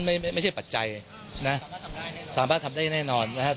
ไม่ใช่ประเด็น